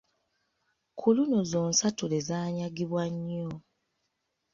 Ku luno zonsatule zanyagibwa nnyo.